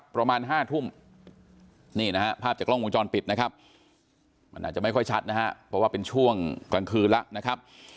ประมาณ๕ทุ่มนี่นะฮะภาพจากกล้องวงจรปิดนะครับมันอาจจะไม่ค่อยชัดนะฮะเพราะว่าเป็นช่วงกลางคืนแล้วนะครับ